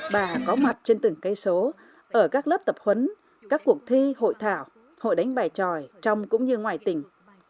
bà có mặt trên từng cây số ở các lớp tập huấn các cuộc thi hội thảo hội đánh bài tròi trong cũng như ngoài tỉnh